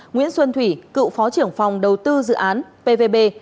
nguyễn xuân thủy cựu phó trưởng phòng đầu tư dự án pvb